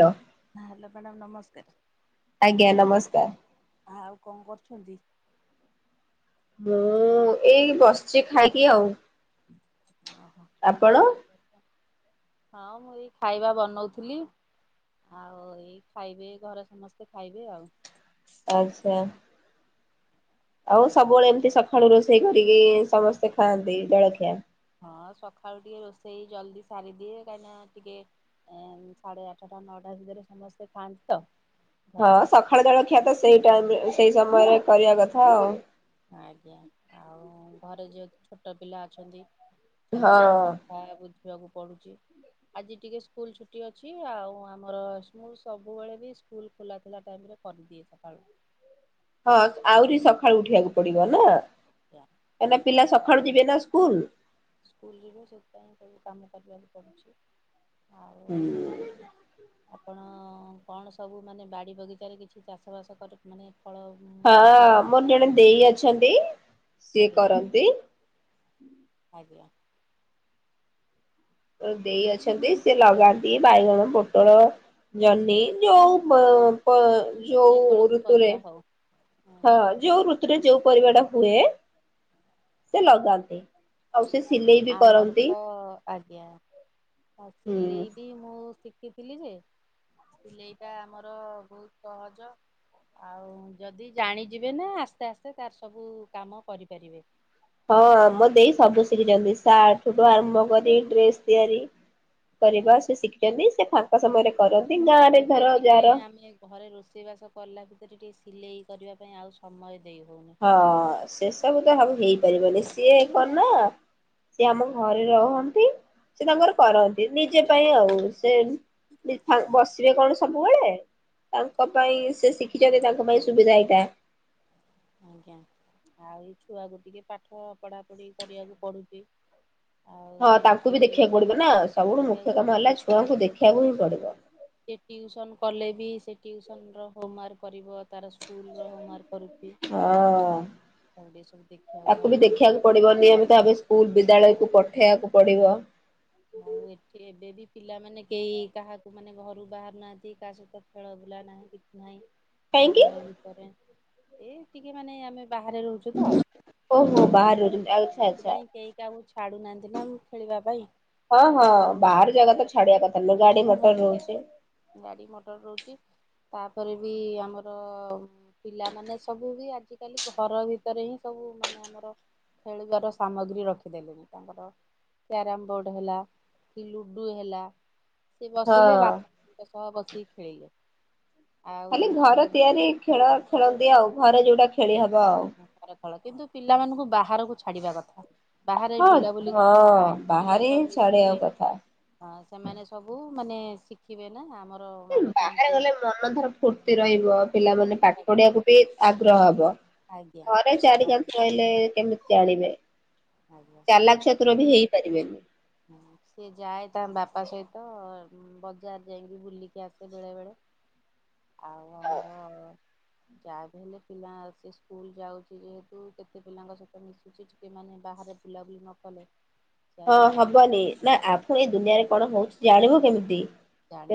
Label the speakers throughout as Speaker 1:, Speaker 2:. Speaker 1: Hello.
Speaker 2: Hello madam ନମସ୍କାର।
Speaker 1: ଆଜ୍ଞା ନମସ୍କାର।
Speaker 2: ଆ ଆଉ କଣ କରୁଛନ୍ତି?
Speaker 1: ମୁଁ ଏଇ ବସିଛି ଖାଇକି ଆଉ।
Speaker 2: ଓହୋ
Speaker 1: ଆପଣ?
Speaker 2: [unintelligible] ହଁ ମୁଁ ଏଇ ଖାଇବା ବନଉଥିଲି। ଆଉ ଏଇ ଖାଇବେ ଘରେ ସମସ୍ତେ ଖାଇବେ ଆଉ।
Speaker 1: ଆଚ୍ଛା। ଆଉ ସବୁବେଳେ ଏମିତି ସକାଳୁ ରୋଷେଇ କରିକି ସମସ୍ତେ ଖାଆନ୍ତି ଜଳଖିଆ?
Speaker 2: ହଁ ସକାଳୁ ଟିକେ ରୋଷେଇ ଜଲଦି ସାରିଦିଏ କାହିଁକିନା ଟିକେ ଏ ସାଢେ ଆଠଟା ନଅଟା ଭିତରେ ସମସ୍ତେ ଖାଆନ୍ତି ତ।
Speaker 1: ହଁ
Speaker 2: ଘରେ
Speaker 1: ସକାଳେ ଜଳଖିଆ ତ ସେଇ ଟାଇମ୍ ସେଇ ସମୟରେ କରିବା କଥା ଆଉ।
Speaker 2: ଆଜ୍ଞା ଆଉ ଘରେ ଯେହେତୁ ଛୋଟ ପିଲା ଅଛନ୍ତି ସେମାନଙ୍କ
Speaker 1: ହଁ
Speaker 2: ପ୍ରାୟ ବୁଝିବାକୁ ପଡୁଛି। ଆଜି ଟିକେ ସ୍କୁଲ ଛୁଟି ଅଛି ଆଉ ଆମର ସ୍କୁଲ ସବୁବେଳେ ବି ସ୍କୁଲ ଖୋଲା ଥିଲା ଟାଇମ୍ ରେ କରିଦିଏ ସକାଳୁ।
Speaker 1: ହଁ ଆହୁରି ସକାଳୁ ଉଠିବାକୁ ପଡିବ ନା?
Speaker 2: ଆଜ୍ଞା।
Speaker 1: କାଇନା ପିଲା ସକାଳୁ ଯିବେ ନା ସ୍କୁଲ।
Speaker 2: ସ୍କୁଲ ଯିବେ ସେଥିପାଇଁ ସବୁ କାମ କରିବାକୁ ପୁଛି ଆଉ।
Speaker 1: ହୁଁ।
Speaker 2: ଆପଣ କଣ ସବୁ ମାନେ ବାଡ଼ି ବଗିଚାରେ କିଛି ଚାଷ ବାସ କରି ମାନେ ଫଳ
Speaker 1: ହଁ
Speaker 2: ଫୁଲ
Speaker 1: ମୋର ଜଣେ ଦେଇ ଅଛନ୍ତି ସିଏ
Speaker 2: ଆଜ୍ଞା
Speaker 1: କରନ୍ତି।
Speaker 2: ଆଜ୍ଞା।
Speaker 1: ଦେଇ ଅଛନ୍ତି ସେ ଲଗାନ୍ତି ବାଇଗଣ, ପୋଟଳ ଜହ୍ନି ଯୋଉ ପ ପ ଯେଉ
Speaker 2: ଯେକୌଣସି
Speaker 1: ଋତୁରେ
Speaker 2: ପରିବା ହଉ
Speaker 1: ହଁ
Speaker 2: ଆଜ୍ଞା
Speaker 1: ଯେଉ ଋ ତୁରେ ଯୋଉ ପରିବା ଟା ହୁଏ ସେ ଲଗାନ୍ତି। ଆଉ ସେ ସିଲେଇ ବି
Speaker 2: ଆମର
Speaker 1: କରନ୍ତି।
Speaker 2: ତ ଆଜ୍ଞା ଆଉ
Speaker 1: ହୁଁ।
Speaker 2: ସିଲେଇ ବି ମୁଁ ଶିଖିଥିଲି ଯେ ସେଇଟା ଆମର ବହୁତ ସହଜ। ଆଉ ଯଦି ଜାଣିଯିବେ ନା ଆସ୍ତେ ଆସ୍ତେ ତାର ସବୁ କାମ କରିପାରିବେ।
Speaker 1: ହଁ ମ ଦେଇ ସବୁ ଶିଖିଛନ୍ତି ସାର୍ଠୁଠୁ ଆରମ୍ଭ କରି ଡ୍ରେସ ତିଆରି
Speaker 2: ଆଜ୍ଞା
Speaker 1: କରିବା ସେ ଶିଖିଛନ୍ତି ସେ ଫାଙ୍କ ସମୟରେ
Speaker 2: ଆଉ
Speaker 1: କରନ୍ତି ଗାଁ ରେ
Speaker 2: ଏବେ
Speaker 1: ଧର
Speaker 2: ଟିକେ
Speaker 1: ଯାର
Speaker 2: ଆମେ ଘରେ ରୋଷେଇବାସ କଲା ଭିତରେ ଟିକେ ସିଲେଇ କରିବା ପାଇଁ ଆଉ ସମୟ ଦେଇ ହେଉନି।
Speaker 1: ହଁ ସେ ସବୁ ତ ସବୁ ହେଇପାରିବନି ସିଏ କର ନା ସିଏ ଆମର ଘରେ ରହନ୍ତି ସେ ତାଙ୍କର କରନ୍ତି, ନିଜେ ପାଇଁ ଆଉ ସେ [unintelligible] ବସିବେ କଣ ସବୁବେଳେ ତାଙ୍କ ପାଇଁ ସେ ଶିଖିଛନ୍ତି ତାଙ୍କ ପାଇଁ ସୁବିଧା ଏଇଟା।
Speaker 2: ଆଜ୍ଞା ଆଉ ଏଇ ଛୁଆକୁ ଟିକେ ପାଠ ପଢ଼ା ପଢ଼ି କରିବାକୁ ପଡୁଚି।
Speaker 1: ହଁ ତାଙ୍କୁ ବି ଦେଖିବାକୁ ପଡିବ ନା ସବୁଠୁ
Speaker 2: ଶିଖିବାକୁ
Speaker 1: ମୁଖ୍ୟ କାମ ହେଲା
Speaker 2: ପଡୁଛି ସେ
Speaker 1: ଛୁଆଙ୍କୁ ଦେଖିବାକୁ ହିଁ ପଡିବ।
Speaker 2: ସେ ଟିଉସନ କଲେ ବି ସେ ଟିଉସନ ର ହୋମ ୱାର୍କ କରିବ ତାର ସ୍କୁଲ ର ହୋମ ୱାର୍କ କରୁଚି।
Speaker 1: ହଁ।
Speaker 2: ଦେଖିବାକୁ
Speaker 1: ତାକୁ
Speaker 2: ଘରେ
Speaker 1: ବି
Speaker 2: ପଡୁଛି
Speaker 1: ଦେଖିବାକୁ ପଡିବ ନିୟମିତ ଭାବେ ସ୍କୁଲ
Speaker 2: ଆଉ
Speaker 1: ବିଦ୍ୟାଳୟକୁ ପଠେଇବାକୁ ପଡିବ।
Speaker 2: ଆଉ ଏଠି ଏବେ ବି ପିଲାମାନେ କେହି କାହାକୁ ମାନେ ଘରୁ ବାହାରୁ ନାହାନ୍ତି। କାହା ସହିତ ଖେଳ ବୁଲା ନାହିଁ କି ନାଇଁ
Speaker 1: କାହିଁକି
Speaker 2: ଘର ଭିତରେ ଏ ଟିକେ ମାନେ ଆମେ ବାହାରେ ରହୁଚୁ ଚୁତ
Speaker 1: ଓହୋ
Speaker 2: ଆଉ
Speaker 1: ବାହାରେ ରହୁଛନ୍ତି ଆଚ୍ଛା ଆଚ୍ଛା
Speaker 2: ସେଥିପାଇଁ କେହି କାହାକୁ ଛାଡୁ ନାହାନ୍ତି ନା ମୁଁ ଖେଳିବା ପାଇଁ।
Speaker 1: ହଁ ହଁ
Speaker 2: ଆଉ
Speaker 1: ବାହାର ଜାଗା
Speaker 2: ରାସ୍ତା
Speaker 1: ତ ଛାଡିବା କଥା ନୁହଁ ଗାଡି ମଟର ରହୁଚି।
Speaker 2: ଗାଡ଼ି ମଟର ରହୁଚି ତାପରେ ବି ଆମର ପିଲାମାନେ ସବୁ ବି ଆଜିିକାଲି ଘର ଭିତରେ ହିଁ ସବୁ ମାନେ ଆମର ଖେଳିବାର ସାମଗ୍ରୀ ରଖି ଦେଲେଣି ତାଙ୍କର କ୍ୟାରମ ବୋର୍ଡ ହେଲା କି ଲୁଡୁ ହେଲା ସେ ବସିଲେ
Speaker 1: ହଁ
Speaker 2: ବାପା ମାଙ୍କ ସହ ବସିକି ଖେଳିଲେ। ଆଉ
Speaker 1: ଖାଲି ଘର
Speaker 2: ସେମାନଙ୍କୁ
Speaker 1: ତିଆରି ଖେଳ ଖେଳନ୍ତି ଆଉ ଘରେ ଯୋଉଟା ଖେଳି ହବ ଆଉ।
Speaker 2: ଘର ଖେଳ କିନ୍ତୁ ପିଲାମାନଙ୍କୁ ବାହାରକୁ ଛାଡିବା କଥା। ବାହାରେ
Speaker 1: ହଁ
Speaker 2: ବୁଲାବୁଲି କଲେ
Speaker 1: ହଁ
Speaker 2: ବାହାରେ ପିଲା ସହ ମିଶିଲେ
Speaker 1: ଛାଡିବା କଥା।
Speaker 2: ହଁ ସେମାନେ ସବୁ ମାନେ ଶିଖିବେ ନା ଆମର ଆମେ
Speaker 1: ବାହାରେ
Speaker 2: କେମିତି
Speaker 1: ଗଲେ ମନ ଧର ଫୁର୍ତି ରହିବ ପିଲାମାନେ ପାଠ ପଢିବାକୁ
Speaker 2: ଲାଗିବ
Speaker 1: ବି ଆଗ୍ରହ ହବ।
Speaker 2: ଆଜ୍ଞା
Speaker 1: ଘରେ ଚାରି କାଁନ୍ଥେ ରହିଲେ କେମିତି ଜାଣିବେ।
Speaker 2: ଆଜ୍ଞା
Speaker 1: ଚାଲାକ୍ ଚତୁର ବି ହେଇପାରିବେନି।
Speaker 2: ହୁଁ ସେ ଯାଏ ତା ବାପା ସହିତ ବଜାର ଯାଇଁକି ବୁଲିକି ଆସେ ବେଳେବେଳେ ଆଉ ଆମର ଯାହା ବି ହେଲେ ପିଲା ସେ ସ୍କୁଲ ଯାଉଚି ଯେହେତୁ କେତେ ପିଲାଙ୍କ ସହିତ ମିଶୁଚିଟି ସେମାନେ ବାହାରେ ବୁଲାବୁଲି ନ କଲେ ଯାଏ କିଛି
Speaker 1: କୁହନି ନା ଆ ଫୁଣି ଏଇ ଦୁନିଆରେ କଣ ହଉଛି ଜାଣିବୁ କେମିତି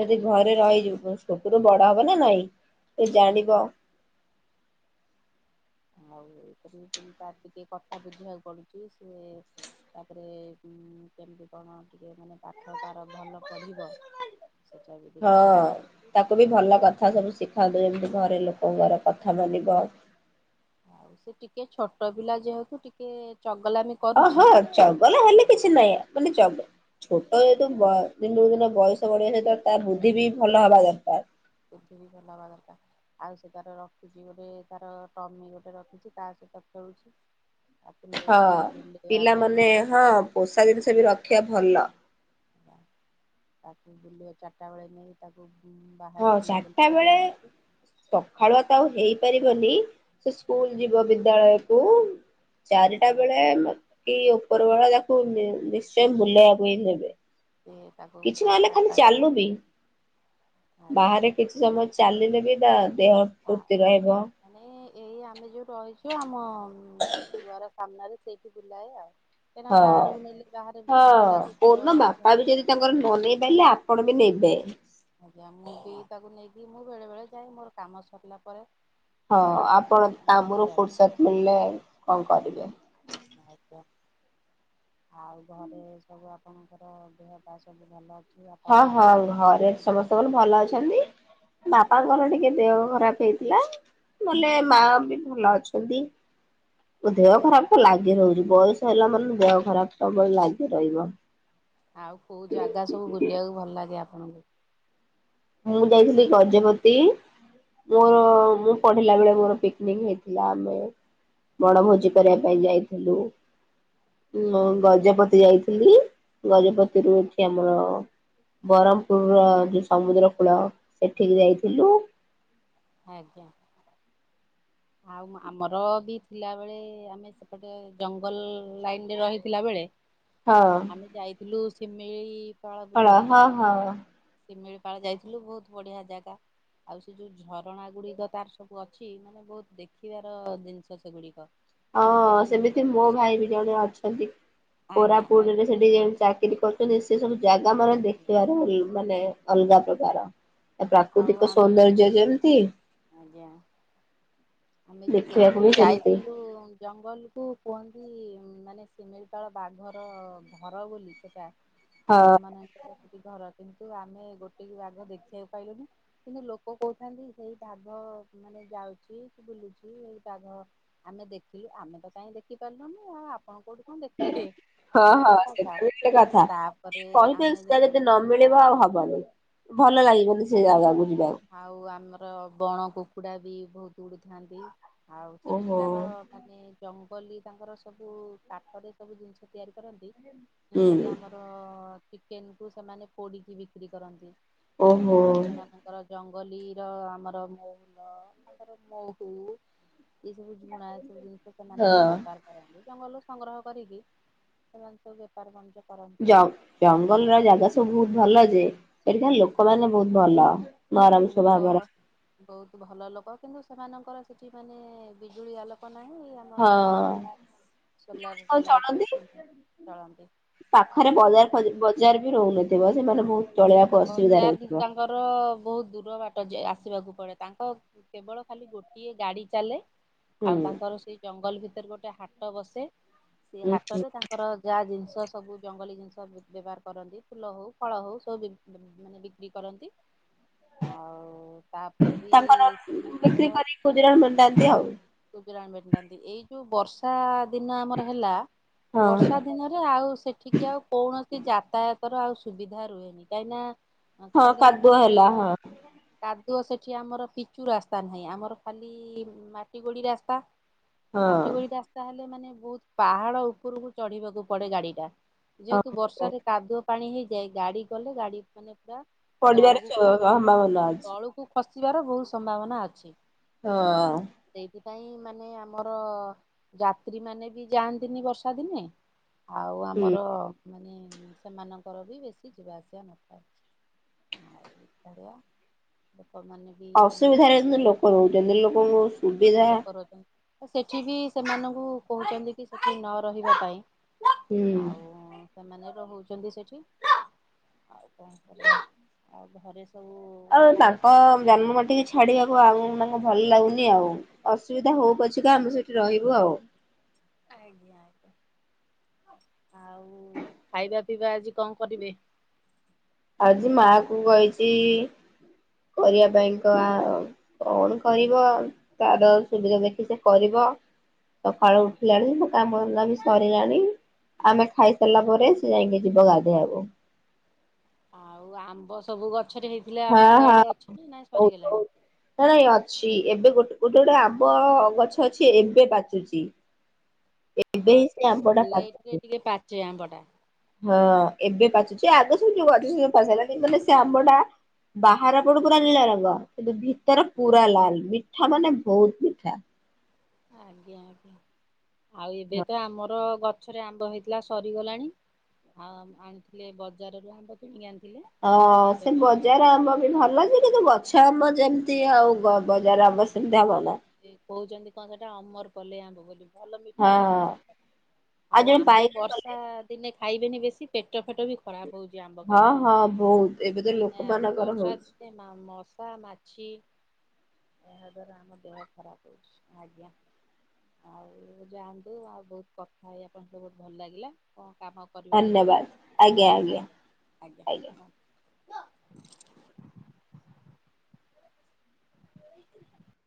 Speaker 1: ଯଦି ଘରେ ରହିଯିବୁ। ଛୋଟରୁ ବଡ ହବ ନା ନାଇଁ ଏ ଜାଣିବ
Speaker 2: [unintelligible] ତା ଟିକେ କଥା ବୁଝିବାକୁ ପଡୁଚି ସେ ତାପରେ ଉଁ କେମିତି କଣ ଟିକେ ମାନେ ପାଠ ତାର ଭଲ ପଢ଼ିବ।
Speaker 1: ହଁ ତାକୁ ବି ଭଲ କଥା ସବୁ ଶିଖାନ୍ତୁ ଯେମିତି ଘରେ ଲୋକଙ୍କର କଥା ମାନିବ।
Speaker 2: ଆଉ ସେ ଟିକେ ଛୋଟ ପିଲା ଯହେତୁ ଟିକେ ଚଗଲାମି।
Speaker 1: ଅ
Speaker 2: କରୁଛି
Speaker 1: ହ ଚଗଲା ହେଲେ କିଛି ନାହିଁ ମାନେ ଚଗ ଛୋଟ ଯେହେତୁ ବ
Speaker 2: ବୁଦ୍ଧି
Speaker 1: ଦିନକୁ ଦିନ ବୟସ ବଢ଼ିବା ସହିତ ତା ବୁଦ୍ଧି ବି ଭଲ ହବା ଦରକାର।
Speaker 2: ବୁଦ୍ଧି ବି ଭଲ ହେବା ଦରକାର। ଆଉ ସେ ତାର ରଖିଛି ଗୋଟେ ତାର ଟମି ଗୋଟେ ରଖିଛି ତା ସହିତ ଖେଳୁଛି। ତାକୁ
Speaker 1: ହଁ
Speaker 2: ନେଉଛି ବୁଲେଇବା ପାଇଁ
Speaker 1: ପିଲାମାନେ ହଁ ପୋଷା ଜିନିଷ ବି ରଖିବା ଭଲ।
Speaker 2: ତାକୁ ବୁଲେଇ ‌ଚାରଟା ବେଳେ ନେଇ ତାକୁ ବାହାରେ ବୁଲାବୁଲି କରି ଆଣୁଚି।
Speaker 1: ସଖାଳୁଆ ତ ଆଉ ହେଇ ପାରିବନି ସେ ସ୍କୁଲ ଯିବ ବିଦ୍ୟାଳୟକୁ। ଚାରିଟା ବେଳେ
Speaker 2: ଆଜ୍ଞା।
Speaker 1: ଆମେ କି ଉପର ବେଳା ତାକୁ ନିଶ୍ଚୟ ବୁଲେଇବାକୁ ହିଁ ନେବେ।
Speaker 2: ସେ ତାକୁ
Speaker 1: କିଛି ନହେଲେ
Speaker 2: ଫାଙ୍କା
Speaker 1: ଖାଲି ଚାଲୁ
Speaker 2: ପାଇବାକୁ
Speaker 1: ବି
Speaker 2: ଆଜ୍ଞା।
Speaker 1: ବାହାରେ କିଛି ସମୟ ଚାଲିଲେ ବି ତା ଦେହ। ଫୁର୍ତ୍ତି
Speaker 2: ଆଉ
Speaker 1: ରହିବ
Speaker 2: ମାନେ ଏଇ ଆମେ ଯୋଉ ରହିଚୁ ଆମ ଦୁଆର ସାମ୍ନାରେ। ସେଇଠି ବୁଲାଏ ଆଉ କାହିଁ ନା
Speaker 1: ହଁ।
Speaker 2: ବାହାରକୁ ନେଲେ ବାହାରେ
Speaker 1: ହଁ
Speaker 2: ବୁଲା କୁକୁର
Speaker 1: କୋଉଦିନ ବାପା ବି
Speaker 2: ଘେରିଥାଏ।
Speaker 1: ଯଦି ତାଙ୍କର ନନେଇ ପାରିଲେ ଆପଣ ବି ନେବେ।
Speaker 2: ଆଜ୍ଞା ମୁଁ ବି ତାକୁ ନେଇକି ମୁଁ ବେଳେ ବେଳେ ଯାଏ ମୋର କାମ ସରିଲା ପରେ।
Speaker 1: ହଁ
Speaker 2: ମୁଁ ତାକୁ
Speaker 1: ଆପଣ
Speaker 2: ନେଇକି
Speaker 1: କାମରୁ
Speaker 2: ଯାଏ
Speaker 1: ଫୁର୍ସତ ମିଳିଲେ କଣ କରିବେ।
Speaker 2: ଆଜ୍ଞା। ଆଉ ଘରେ ସବୁ ଆପଣଙ୍କର ଦେହ ପା ସବୁ ଭଲ ଅ
Speaker 1: ହଁ ହଁ ଘରେ ସମସ୍ତଙ୍କର ଭଲ ଅଛନ୍ତି। ବାପାଙ୍କର ଟିକେ ଦେହ ଖରାପ ହେଇଥିଲା। ନହେଲେ ମା ବି ଭଲ ଅଛନ୍ତି। ଦେହ ଖରାପ ତ ଲାଗି ରହୁଛି ବୟସ ହେଲା ମାନେ ଦେହ ଖରାପ ସବୁବେଳେ ଲାଗି ରହିବ।
Speaker 2: ଆଉ କୋଉ ଜାଗା ସବୁ ବୁଲିବାକୁ ଭଲ ଲାଗେ ଆପଣଙ୍କୁ।
Speaker 1: ମୁଁ ଯାଇଥିଲି ଗଜପତି ମୋର ମୁଁ। ପଢିଲା ବେଳେ ମୋର ପିକନିକ ହେଇଥିଲା ଆମେ ବଣଭୋଜି କରିବା ପାଇଁ ଯାଇ ଥିଲୁ ଉଁ
Speaker 2: ଆଜ୍ଞା
Speaker 1: ଗଜପତି ଯାଇଥି ଥିଲି ଗଜପତି ରୁ ଏଠି ଆମର ବରମପୁର ର ଯୋଉ ସମୁଦ୍ର କୂଳ ସେଠିକି ଯାଇଥିଲୁ।
Speaker 2: ଆଜ୍ଞା। ଆଉ ଆମର ବି ଥିଲାବେଳେ ଆମେ ସେପଟେ ଜଙ୍ଗଲ ଲାଇନ ରେ ରହିଥିଲା ବେଳେ। ଁ [inaudible]
Speaker 1: ହଁ।
Speaker 2: ଆମେ ଯାଇଥିଲୁ ଶିମିଳି।
Speaker 1: ପାଳ ହଁ ହଁ।
Speaker 2: ଶିମିଳିପାଳ ଯାଇଥିଲୁ ବହୁତ ବଢିଆ ଜାଗା ଆଉ ସେ ଯୋଉ ଝରଣା ଗୁଡିକ ତାର ସବୁ ଅଛି ମାନ ନେ ବହୁତ ଦେଖିବାର ଜିନିଷ ସେଗୁଡିକ। ମାନେ
Speaker 1: ହଁ
Speaker 2: ପ୍ରାକୃତିକ
Speaker 1: ସେମିତି ମୋ
Speaker 2: ଦୃଶ୍ୟ
Speaker 1: ଭାଇ ବି ଜଣେ ଅଛନ୍ତି
Speaker 2: ଆଜ୍ଞା ଆଉ
Speaker 1: କୋରାପୁଟରେ ସେଠି ଯେମ ଚାକି ଚାକିରି କରୁଛନ୍ତି ସେ ସବୁ ଜାଗା ମାନେ ଦେଖିବାର ମାନେ ଅଲଗା ପ୍ରକାର। ତା
Speaker 2: ଆଉ
Speaker 1: ପ୍ରାକୃତିକ
Speaker 2: ଆମେ
Speaker 1: ସୌନ୍ଦର୍ଯ୍ୟ ଯେମିତି।
Speaker 2: ଆଜ୍ଞା। ଆମେ ଯୋଉ
Speaker 1: ଦେଖିବାକୁ
Speaker 2: ଦେଖିଲୁ
Speaker 1: ବି ସେମିତି
Speaker 2: ଯାଇଥିଲୁ। ଜଙ୍ଗଲକୁ କୁହନ୍ତି ମାନେ ସିମିଳିପାଳ ବାଘର ଘର ବୋଲି ସେଟା।
Speaker 1: ହଁ।
Speaker 2: ବାଘ ମାନଙ୍କ ସେଠି ଘର କିନ୍ତୁ ଆମେ ଗୋଟେ ବି ବାଘ ଦେଖିବାକୁ ପାଇଲୁନି। କିନ୍ତୁ ଲୋକ କହୁଥାନ୍ତି ସେଇ ବାଘ ମାନେ ଯାଉଛି। ବୁଲୁଛି ଏଇ ବାଘ ଆମେ ଦେଖିଲୁ ଆମେ ତ କାହିଁ ଦେଖି ପାରିଲୁନୁ ଆଉ ଆପଣ କୋଉଠି କଣ ଦେଖିଲେ ଏଇ
Speaker 1: ହଁ
Speaker 2: ସବୁ
Speaker 1: ହଁ
Speaker 2: କଥା
Speaker 1: ସେଟା ବି ଗୋଟେ କଥା
Speaker 2: ତାପରେ
Speaker 1: କହିବେ
Speaker 2: ଆମେ
Speaker 1: ସେଟା ଯଦି ନ
Speaker 2: ଯେତେବେଳେ
Speaker 1: ମିଳିବ ଆଉ ହବନି ଭଲ ଲାଗିବନି ସେ ଜାଗାକୁ ଯିବାକୁ।
Speaker 2: ଆଉ ଆମର ବଣ କୁକୁଡ଼ା ବି ବହୁତ୍ ଉଡି଼ଥାନ୍ତି ଆଉ
Speaker 1: ଓହୋ
Speaker 2: ସେଠିକାର ମାନେ ଜଙ୍ଗଲୀ ତାଙ୍କର ସବୁ କାଠ ରେ ସବୁ ଜିନିଷ ତିଆରି କରନ୍ତି। ଏମିତିକ
Speaker 1: ହୁଁ
Speaker 2: ଆମର ଚିକେନ୍ କୁ ସେମାନେ ପୋଡି଼କି ବିକ୍ରି କରନ୍ତି।
Speaker 1: ଓହୋ
Speaker 2: ଆଉ
Speaker 1: ହଁ
Speaker 2: ସେମାନେ ଜଙ୍ଗଲୀର ଆମର [unintelligible] ତାଙ୍କର ମହୁ ଏ ସବୁ ଝୁଣା ଏସବୁ ଜିନିଷ ସେମାନେ ସବୁ
Speaker 1: ଜ
Speaker 2: ବେପାର କରନ୍ତି ଜଙ୍ଗଲରୁ ସଂଗ୍ରହ କରିକି ସେମାନେ ସବୁ ବେପାର ବାଣିଜ୍ୟ କରନ୍ତି ଆଉ।
Speaker 1: ଜଙ୍ଗଲର ଜାଗା ସବୁ ବହୁତ ଭଲ ଯେ ସେଠିକା ଲୋକମାନେ ବହୁତ୍ ଭଲ। ନରମ
Speaker 2: ଲୋକ
Speaker 1: ସ୍ୱଭାବର
Speaker 2: ବହୁତ୍ ଭଲ ଲୋକ କିନ୍ତୁ ସେମାନଙ୍କର ସେଠି ମାନେ ବିଜୁଳି ଆଲୋକ ନାହିଁ। ଓ ହୋ [unintelligible]
Speaker 1: କେମିତି କଣ ଚଳନ୍ତି
Speaker 2: ଚଳନ୍ତି।
Speaker 1: ପାଖରେ ବଜାର [unintelligible] ବଜାର ବି ରହୁନଥିବ ସେମାନେ ବହୁତ୍
Speaker 2: ବଜାର ତାଙ୍କର ବହୁତ୍ ଦୂର ବାଟ ଯେ ଆସିବାକୁ ପଡ଼େ ତାଙ୍କ କେବଳ ଖାଲି ଗୋଟିଏ ଗାଡ଼ି ଚାଲେ।
Speaker 1: ହୁଁ।
Speaker 2: ଆଉ ତାଙ୍କର ସେଇ ଜଙ୍ଗଲ ଭିତରେ ଗୋଟେ ହାଟ ବସେ ସେ
Speaker 1: ହୁଁ
Speaker 2: ହାଟରେ ତାଙ୍କ ତାଙ୍କର ଯାହା ଜିନିଷ ସବୁ ଜଙ୍ଗଲୀ ଜିନିଷ ବ୍ୟବହାର କରନ୍ତି ଫୁଲ ହଉ ଫଳ ହଉ ସବୁ ମାନେ ବିକ୍ରି କରନ୍ତି ଆଉ ତାପରେ ବି
Speaker 1: ତାଙ୍କର ବିକ୍ରି
Speaker 2: ସେମାନଙ୍କର
Speaker 1: କରି ଗୁଜୁରାଣ ମେଣ୍ଟାନ୍ତି ଆଉ
Speaker 2: ଗୁଜୁରାଣ ମେଣ୍ଟାନ୍ତି ଏଇ ଯୋଉ ବର୍ଷ ବର୍ଷା ଦିନ ଆମର ହେଲା
Speaker 1: ହଁ
Speaker 2: ବର୍ଷା ଦିନରେ ଆଉ ସେଠ ସେଠିକି ଆଉ କୌଣସି ଯାତାୟାତର ଆଉ ସୁବିଧା ରୁହେନି କାହିଁକିନା
Speaker 1: ହଁ
Speaker 2: ଖାଲି
Speaker 1: କାଦୁଅ
Speaker 2: ଆମର
Speaker 1: ହେଲା
Speaker 2: ସେଇଟା
Speaker 1: ହଁ
Speaker 2: କାଦୁଅ ସେଠି ଆମର ପିଚୁ ରାସ୍ତା ନାହିଁ ଆମର ଖାଲି ମାଟି ଗୋଡ଼ି ରାସ୍ତା। ମାଟି
Speaker 1: ହଁ
Speaker 2: ଗୋଡ଼ି ରାସ୍ତା ହେଲେ ମାନେ ବହୁତ୍ ପାହାଡ଼ ଉପରକୁ ଚଢ଼ିବାକୁ ପଡେ ଗାଡ଼ି ଟା।
Speaker 1: ହଁ
Speaker 2: ଯେହେତୁ ବର୍ଷାରେ କାଦୁଅ ପାଣି ହେଇଯାଏ ଗାଡ଼ି ଗଲେ ଗାଡ଼ି ମାନେ ପୁରା
Speaker 1: ପଡିବାରେ ଚ ସମ୍ଭାବନା ଅଛି।
Speaker 2: କୁ ଖସିବାର ବହୁତ୍ ସମ୍ଭାବନା ଅଛି।
Speaker 1: [unintelligible]
Speaker 2: ସେଇଥିପାଇଁ ମାନେ ଆମର ଯାତ୍ରୀ ମାନେ ବି ଯାଆନ୍ତିନି ବର୍ଷା ଦିନେ। ଆଉ
Speaker 1: ହୁଁ
Speaker 2: ଆମର ମାନେ ସେମାନଙ୍କର ବି ବେଶୀ ଯିବା ଆସି [unintelligible] ଆଉ ବଳିଆ ଲୋକମାନେ ବି
Speaker 1: ଆଉ ଅସୁବିଧାରେ ବି ଲୋକ ରହୁଛନ୍ତି ଲୋକଙ୍କୁ ସୁବିଧା
Speaker 2: ଲୋକ ରହୁଛନ୍ତି ତ ସେଠିବି ସେମାନଙ୍କୁ କହୁଛନ୍ତିକି ସେଠି ନରହିବା ପାଇଁ।
Speaker 1: ହୁଁ।
Speaker 2: ଆଉ ସେମାନେ ରହୁଛନ୍ତି ସେଠି‌ ଆଉ କଣ କରିବା ଆଉ ଘରେ ସବୁ
Speaker 1: ଆଉ
Speaker 2: ଖାଇବା
Speaker 1: ତାଙ୍କ
Speaker 2: ପିଇବା ସବୁ
Speaker 1: ଜନ୍ମମାଟିକି ଛାଡ଼ିବାକୁ ଆଉ ମାନେ ଭଲ ଲାଗୁନି ଆଉ। ଅସୁବିଧା ହଉ ପଛିକା ଆମେ ସେଠି ରହିବୁ ଆଉ।
Speaker 2: ଆଜ୍ଞା ଆଜ୍ଞା ଆଉ ଖାଇବା ପିଇବା ଆଜି କଣ କରିବେ?
Speaker 1: ଆଜି ମାକୁ କହିଚି କରିବା ପାଇଁ କଆଉ କଣ କରିବ, ତାର ସୁବିଧା ଦେଖି ସେ କରିବ। ସକାଳୁ ଉଠିଲାଣି, ମୋ କାମ ଧନ୍ଦାବି ସରିଲାଣି। ଆମେ ଖାଇସାରିଲା ପରେ ସେ ଯାଇକି ଯିବ ଗାଧେଇବାକୁ।
Speaker 2: ଆଉ ଆମ୍ବ ସବୁ ଗଛରେ ହେଇଥିଲା
Speaker 1: ହଁ
Speaker 2: ଆପଣଙ୍କ
Speaker 1: ହଁ
Speaker 2: ଆଡେ ଅଛି ନାଁ ନା
Speaker 1: ହଉ ହଉ।
Speaker 2: ସରିଗଲାଣି?
Speaker 1: ନାଇଁ ନାଇଁ ଅଛି, ଏବେ ଗୋଟେ -ଗୋଟେ-ଗୋଟେ ଆମ୍ବ ଗଛ ଅଛି, ଏବେ ପାଚୁଛି। ଏବେ
Speaker 2: ହଁ
Speaker 1: ହିଁ
Speaker 2: ସେ
Speaker 1: ଆମ୍ବ ଟା
Speaker 2: ଟିକେ
Speaker 1: ପାଚୁଛି।
Speaker 2: ଲେଟେରେ ଟିକେ ପାଚେ ଆମ୍ଵଟା।
Speaker 1: ହଁ ଏବେ ପାଚୁଛି, ଆଗ ସବୁ ଅଧଚାରା [inaudible] କିନ୍ତୁ ସେ ଆମ୍ବଟା ବାହାର ପଟକୁ ନାଲି ରଙ୍ଗ କିନ୍ତୁ ଭିତର ପୁରା ଲାଲ, ମିଠା ମାନେ ବୋହୁତ୍ ମିଠା।
Speaker 2: ଆଜ୍ଞା -ଆଜ୍ଞା, ଆଉ ଏବେ ତ ଆମର ଗ ଛରେ ଆମ୍ବ ହେଇଥିଲା ସରିଗଲାଣି, ଆଉ ଆଣିଥିଲେ ବଜାରରୁ ଆମ୍ବ କିଣିକି ଆଣିଥିଲେ।
Speaker 1: ହଁ ସେ
Speaker 2: ସେଟା
Speaker 1: ବଜାର ଆମ୍ବ ବି ଭଲଲାଗେ କିନ୍ତୁ ଗ ଛ ଆମ୍ବ ଯେମିତି ଆଉ ବଜାର ଆମ୍ବ ସେମିତି ହବ ନା।
Speaker 2: ଯେ କହୁଛନ୍ତି କଣ ସେଟା ଅମରପଲେଇ ଆମ୍ବ ବୋଲି। ଭଲ
Speaker 1: ହଁ
Speaker 2: ମିଠା ଲାଗୁଛି, ଆଉ
Speaker 1: ଜଣେ
Speaker 2: ଆମ୍ବ
Speaker 1: ବାଇଗଣ କଲେ
Speaker 2: ବର୍ଷା ଦିନେ ଖାଇବେନି ବେଶୀ ପେଟ ଫେଟ ବି ଖରାପ୍ ହୋଉଛି ଆମ୍ବ
Speaker 1: ହଁ
Speaker 2: ଖାଇଲାରୁ,
Speaker 1: ହଁ ବହୁତ ଏବେ ତ
Speaker 2: କାହିଁକିନା
Speaker 1: ଲୋକମାନଙ୍କର
Speaker 2: ବର୍ଷା
Speaker 1: ହଉଛି।
Speaker 2: ତ୍ ସେ ମା ମଶା, ମାଛି। ଏହା ଦ୍ଵାରା ଆମ ଦେହ ଖରାପ୍ ହଉଛି, ଆଜ୍ଞା। ଆଉ ଯାଆନ୍ତୁ, ଆଉ ଯାଆନ୍ତୁ ଆଉ ବୋହୁତ୍ କଥା ହେଇ ଆପଣ ସହିତ ବୋହୁତ୍ ଭଲ ଲାଗିଲା। କଣ କାମ କରିବେ ଆପଣଙ୍କର? ଆଜ୍ଞା -ଆଜ୍ଞା ‌ [inaudible]